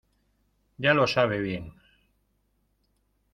ya lo sabe. bien .